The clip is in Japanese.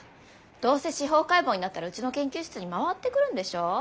どうせ司法解剖になったらうちの研究室に回ってくるんでしょ？